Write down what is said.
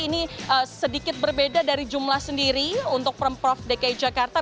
ini sedikit berbeda dari jumlah sendiri untuk pemprov dki jakarta